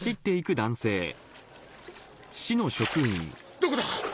どこだ？